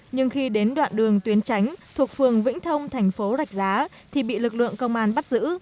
nhưng khi đến đoạn đường tuyến tránh thuộc phường vĩnh thông thành phố rạch giá thì bị lực lượng công an bắt giữ